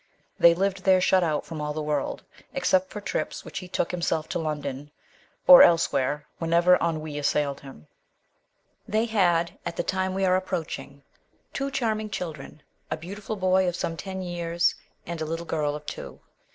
They lived there shut out from all the world, except for trips which he took himself to London, or elsewhere, whenever ennui assailed him. They had, at the time we are approaching, two charming children, a beautiful boy of some ten years and a little girl of two.